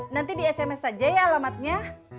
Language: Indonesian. nanti di sms saja ya alamatnya